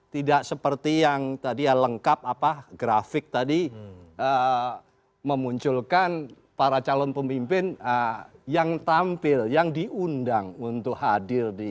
tidak seperti yang tadi ya lengkap apa grafik tadi memunculkan para calon pemimpin yang tampil yang diundang untuk hadir di